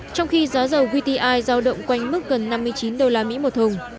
trong khi giá dầu wti giao động quanh mức gần năm mươi chín usd một thùng